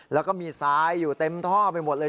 แล้วก็มีทรายอยู่เต็มท่อไปหมดเลย